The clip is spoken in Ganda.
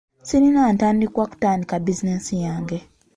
Sirina ntandikwa kutandika bizinensi yange.